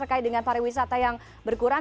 terkait dengan pariwisata yang berkurang